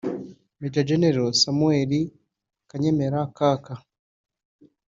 Maj Gen Samuel Kanyemera (Kaka)